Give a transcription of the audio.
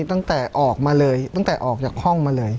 ตั้งแต่ออกมาเลยตั้งแต่ออกจากห้องมาเลย